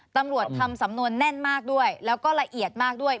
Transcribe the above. ตำรวจทำสำนวนแน่นมากด้วยแล้วก็ละเอียดมากด้วย